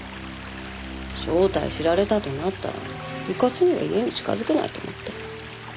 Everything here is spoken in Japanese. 正体知られたとなったらうかつには家に近づけないと思って。